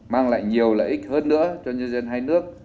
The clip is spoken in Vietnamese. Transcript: mang lại nhiều lợi ích hơn nữa cho nhân dân hai nước